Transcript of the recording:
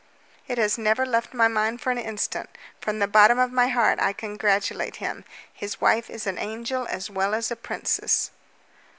"It has never left my mind for an instant. From the bottom of my heart I congratulate him. His wife is an angel as well as a princess."